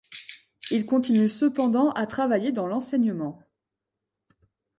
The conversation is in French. Il continue cependant à travailler dans l'enseignement.